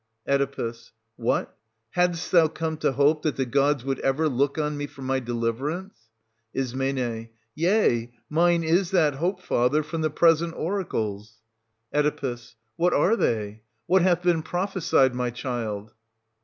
Oe. What, hadst thou come to hope that the gods would ever look on me for my deliverance } Is. Yea, mine is that hope, father, from the present oracles. 388—409] OEDIPUS AT COLONUS. 75 Oe. What are they ? What hath been prophesied, my child